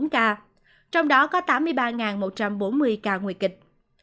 ba trăm năm mươi bốn ca trong đó có tám mươi ba một trăm bốn mươi ca nguy kịch